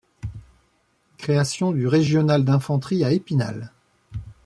Création du régional d'infanterie à Épinal.